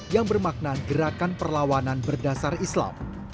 yang bermakna gerakan perlawanan berdasar islam